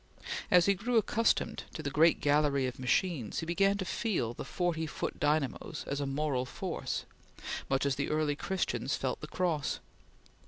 As he grew accustomed to the great gallery of machines, he began to feel the forty foot dynamos as a moral force, much as the early Christians felt the Cross.